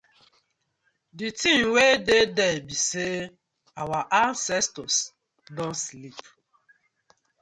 Di tin wey dey dere bi say our ancestors don sleep.